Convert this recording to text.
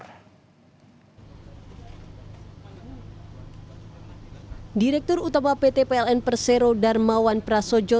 direktur utama pt pln persero darmawan prasojo